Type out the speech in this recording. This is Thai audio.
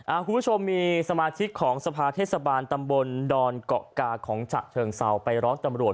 คุณผู้ชมมีสมาชิกของสภาเทศบาลตำบลดอนเกาะกาของฉะเชิงเศร้าไปร้องตำรวจ